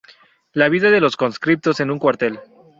La vida de los conscriptos en un cuartel.